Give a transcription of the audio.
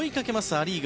ア・リーグ